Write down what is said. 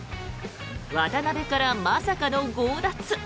渡邊から、まさかの強奪。